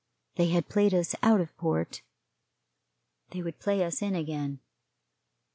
They had played us out of port they would play us in again.